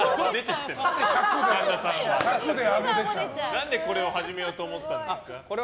何でこれを始めようと思ったんですか？